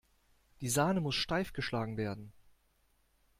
Die Sahne muss steif geschlagen werden.